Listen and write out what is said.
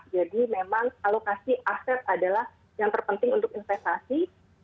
jadi memang alokasi aset adalah yang terpenting untuk investasi